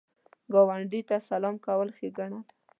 ګاونډي ته سلام کول ښېګڼه ده